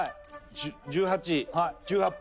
１８。１８分。